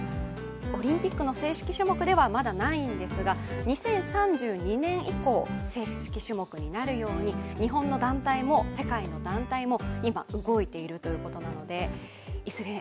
オリンピックの正式種目ではまだないんですが、２０３２年以降、正式種目になるように日本の団体も世界の団体も今、動いているということなのでいずれ